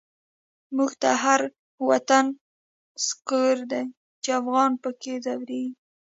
موږ ته هر وطن سقر دی، چی افغان په کی ځوريږی